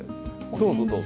どうぞどうぞ。